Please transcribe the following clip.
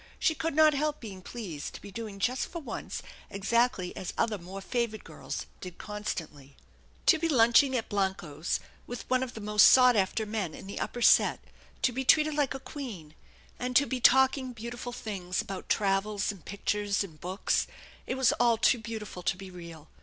She could not help being pleased to be doing just for once exactly as other more favored girls did constantly. To be lunching at Blanco's with one of THE ENCHANTED BARN 197 the most sought after men in the upper set, to be treated like a queen, and to be talking beautiful things about travels and pictures and books, it was all too beautiful to be real.